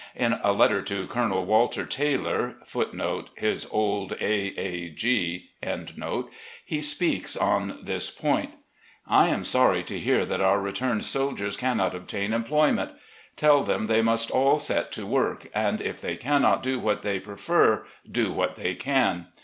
In a letter to Colonel Walter Taylor,* he speaks on this point ;"... I am sorry to hear that our returned soldiers cannot obtain employment. Tell them they must all set to work, and if 'they cannot do what they prefer, do what they can.